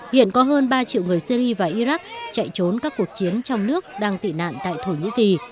hiện có hơn ba triệu người syri và iraq chạy trốn các cuộc chiến trong nước đang tị nạn tại thổ nhĩ kỳ